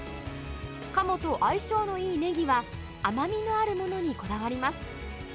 カモと相性のいいネギは、甘みのあるものにこだわります。